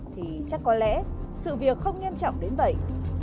thì chắc có lẽ sự việc không nghiêm trọng đến vậy